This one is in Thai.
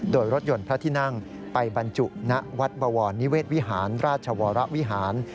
โดยรถยนต์พระที่นั่งไปบรรจุณวัดบวรนิเวศวิหารราชวรวิหาร